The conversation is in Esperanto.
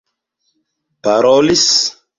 parolis